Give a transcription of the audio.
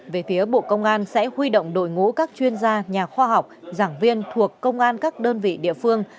về phía bộ công an sẽ huy động đội ngũ các chuyên gia nhà khoa học giảng viên thuộc công an các đơn vị địa phương